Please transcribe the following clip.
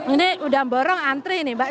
ini udang borong antri nih mbak